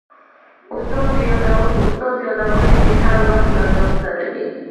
• ستا یادونه مې هر وخت له ځان سره وي.